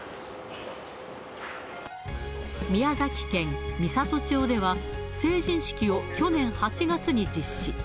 宮崎県美郷町では、成人式を去年８月に実施。